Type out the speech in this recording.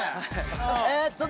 えっとね。